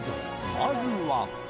まずは。